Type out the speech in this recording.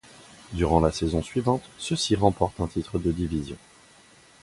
Durant la saison suivante, ceux-ci remportent un titre de division.